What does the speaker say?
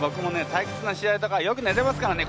退屈な試合とかはよく寝てますからね。